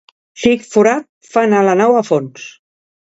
Xic forat fa anar la nau a fons.